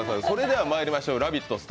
それではまいりましょう「ラヴィット！」